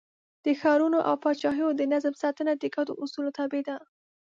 د ښارونو او پاچاهیو د نظم ساتنه د ګډو اصولو تابع ده.